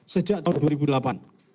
sejak tahun dua ribu delapan